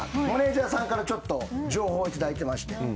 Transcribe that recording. マネジャーさんからちょっと情報を頂いてまして。